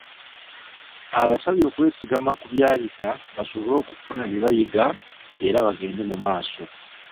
Abasabye okwesigama ku byayita basobole okufuna bye bayiga era bagende mu maaso.